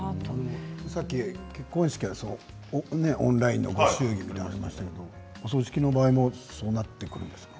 さっき結婚式はオンラインのご祝儀みたいなものがありましたけれどもお葬式の場合もそうなってくるんですか。